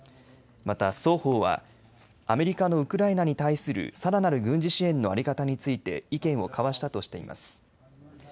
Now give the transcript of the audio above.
また、双方はアメリカのウクライナに対するさらなる軍事支援の在り方について意見を交わしたとしています。